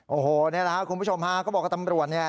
โอ้โหเนี่ยห๊ะคุณผู้ชมฮะก็บอกกับตำรวจเนี่ย